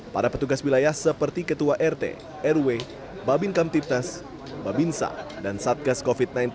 para petugas wilayah seperti ketua rt rw babin kamtipnas babinsa dan satgas covid sembilan belas